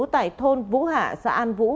tại thôn vũ hạ xã an vũ